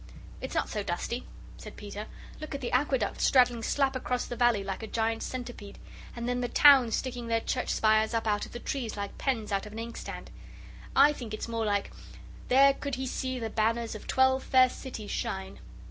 "It's not so dusty," said Peter; "look at the Aqueduct straddling slap across the valley like a giant centipede, and then the towns sticking their church spires up out of the trees like pens out of an inkstand. I think it's more like "There could he see the banners Of twelve fair cities shine."